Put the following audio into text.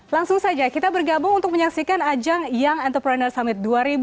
langsung saja kita bergabung untuk menyaksikan ajang young entrepreneur summit dua ribu dua puluh